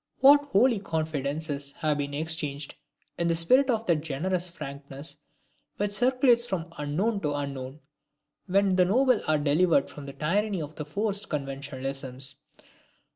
What holy confidences have been exchanged in the spirit of that generous frankness which circulates from unknown to unknown, when the noble are delivered from the tyranny of forced conventionalisms!